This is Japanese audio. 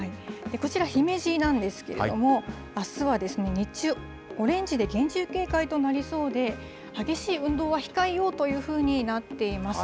こちら、姫路なんですけれども、あすは日中、オレンジで厳重警戒となりそうで、激しい運動は控えようというふうになっています。